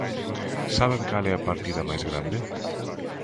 ¿Saben cal é a partida máis grande?